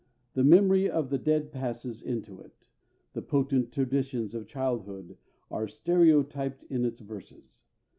The memory of the dead passes into it; the potent traditions of childhood are stereotyped in its verses.